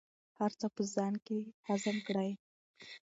هر څه په ځان کې هضم کړئ.